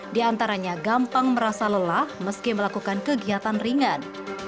diantaranya gampang merasa lelah meski melakukan kegiatan ringan